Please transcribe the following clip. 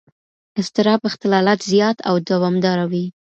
اضطراب اختلالات زیات او دوامداره وي.